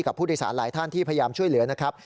ผู้โดยสารหลายท่านที่พยายามช่วยเหลือนะครับ